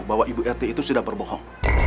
bahwa ibu rt itu sudah berbohong